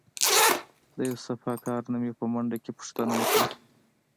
له یو صفاکار نه مې په منډه کې پوښتنه وکړه.